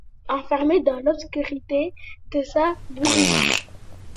enfermée dans l'obscurité de sa bourriche.